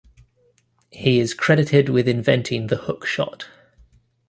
He is credited with inventing the hook shot.